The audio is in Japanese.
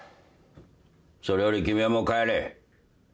それより君はもう帰れ。